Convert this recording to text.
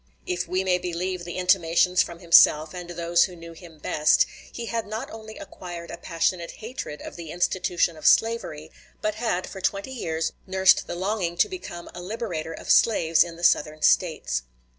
If we may believe the intimations from himself and those who knew him best, he had not only acquired a passionate hatred of the institution of slavery, but had for twenty years nursed the longing to become a liberator of slaves in the Southern States.